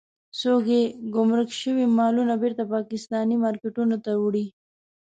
څوک يې ګمرک شوي مالونه بېرته پاکستاني مارکېټونو ته وړي.